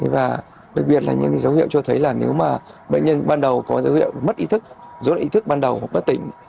và đặc biệt là những dấu hiệu cho thấy là nếu mà bệnh nhân ban đầu có dấu hiệu mất ý thức do là ý thức ban đầu hoặc bất tỉnh